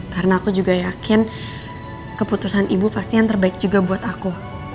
karena aku juga yakin keputusan ibu pasti yang terbaik juga buat aku